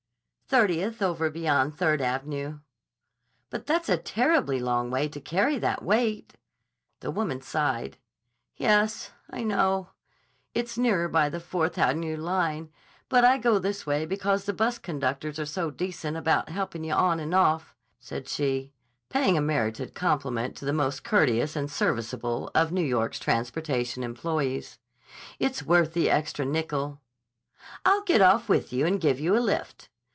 "Thirtieth over beyond Third Av'nyeh." "But that's a terribly long way to carry that weight." The woman sighed. "Yes, I know. It's nearer by the Fourth Av'nyeh line, but I go this way because the bus conductors are so decent about helpin' you on and off," said she, paying a merited compliment to the most courteous and serviceable of New York's transportation employees. "It's worth the extra nickel." "I'll get off with you and give you a lift."